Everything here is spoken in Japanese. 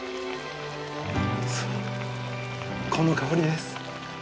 そうこの香りです。